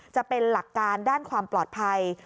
จะเป็นหลักการด้านความปลอดภัย